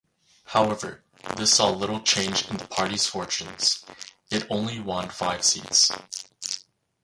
However, this saw little change in the party's fortunes; it only won five seats.